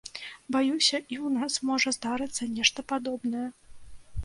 Баюся, і ў нас можа здарыцца нешта падобнае.